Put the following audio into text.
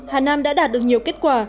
hà nam đã đạt được nhiều kết quả